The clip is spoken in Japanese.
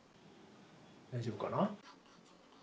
大丈夫かな。